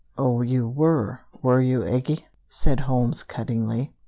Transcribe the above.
"Oh, you were, were you, Eggie," said Holmes cuttingly.